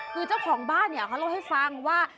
คือเจ้าของบ้านเนี่ยเขาเล่าให้ฟังว่า